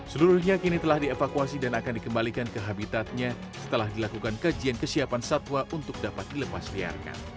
seluruhnya kini telah dievakuasi dan akan dikembalikan ke habitatnya setelah dilakukan kajian kesiapan satwa untuk dapat dilepas liarkan